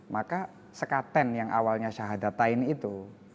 maka sekaten yang awalnya syahadatain itu